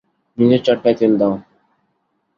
নিজের চড়কায় তেল দাও।